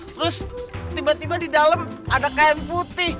terus tiba tiba di dalam ada kain putih